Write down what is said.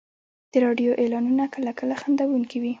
د راډیو اعلانونه کله کله خندونکي وي.